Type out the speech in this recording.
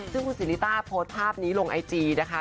ซึ่งคุณสิริต้าโพสต์ภาพนี้ลงไอจีนะคะ